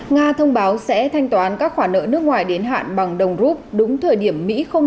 nga thông báo sẽ thanh toán các khoản nợ nước ngoài đến hạn bằng đồng rút đúng thời điểm mỹ không